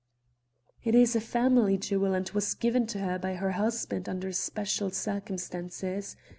"It is a family jewel and was given to her by her husband under special circumstances.